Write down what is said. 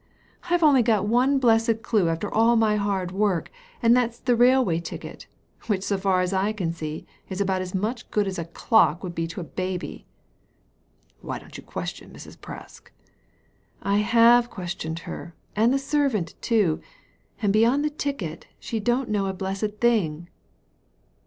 I've only got one blessed clue after all my hard work, and that's the railway ticket ; which, so far as I can see, is about as much good as a clock would be to a baby." Why don't you question Mrs. Presk ?"^ I have questioned her, and the servant too ; and beyond the ticket, she don't know a blessed thing."